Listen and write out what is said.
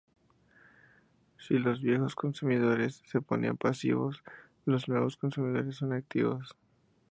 Si los viejos consumidores se suponían pasivos, los nuevos consumidores son activos.